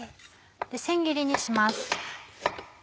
千切りにします。